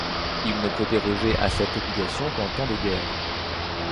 Il ne peut déroger à cette obligation qu’en temps de guerre.